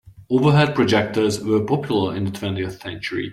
Overhead projectors were popular in the twentieth century.